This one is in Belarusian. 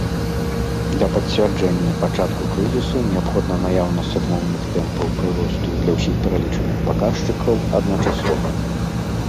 Для пацвярджэння пачатку крызісу неабходна наяўнасць адмоўных тэмпаў прыросту для ўсіх пералічаных паказчыкаў адначасова.